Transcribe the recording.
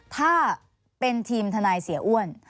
ถ้าเป็นทีมทนายเสียอ้วน